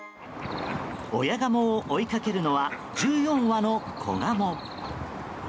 親ガモを追いかけるのは１４羽の子ガモ。